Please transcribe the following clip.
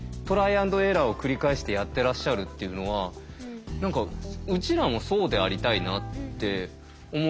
アンドエラーを繰り返してやってらっしゃるっていうのはうちらもそうでありたいなって思いますよね。